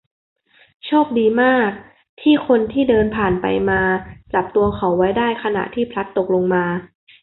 โชคดีมากที่คนที่เดินผ่านไปมาจับตัวเขาไว้ได้ขณะที่พลัดตกลงมา